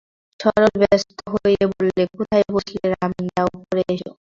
সরলা ব্যস্ত হয়ে বললে, কোথায় বসলে রমেনদাদা, উপরে এসো।